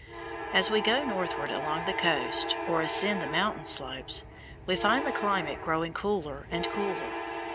As we go northward along the coast, or ascend the mountain slopes, we find the climate growing cooler and cooler.